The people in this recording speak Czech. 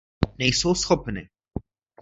Nejsou schopny!